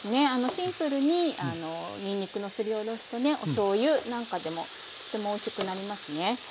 シンプルににんにくのすりおろしとねおしょうゆなんかでもとてもおいしくなりますね。